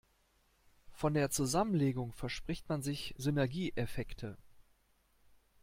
Von der Zusammenlegung verspricht man sich Synergieeffekte.